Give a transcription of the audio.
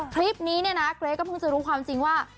คลิปนี้เนี่ยนะเกรทก็เพิ่งจะรู้ความจริงว่า